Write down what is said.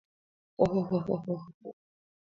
— Хо-хо-хо-хо-хо-хо!..